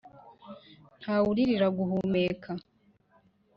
ntawe uririra guhumeka